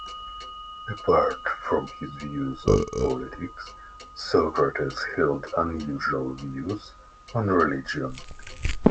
Apart from his views on politics, Socrates held unusual views on religion.